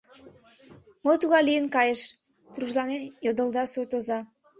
— Мо тугай лийын кайыш? — тургыжланен йодылда суртоза.